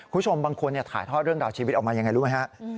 คุณผู้ชมบางคนถ่ายทอดเรื่องราวชีวิตออกมายังไงรู้ไหมฮะ